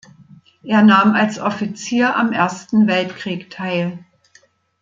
Er nahm als Offizier am Ersten Weltkrieg teil.